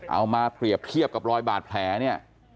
เอามาเปรียบเทียบกับรอยบาดแผลเนี่ย